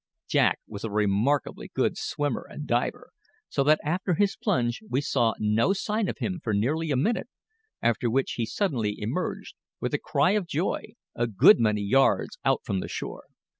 Jack was a remarkably good swimmer and diver, so that after his plunge we saw no sign of him for nearly a minute, after which he suddenly emerged, with a cry of joy, a good many yards out from the shore.